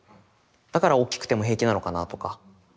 だからおっきくても平気なのかなとか。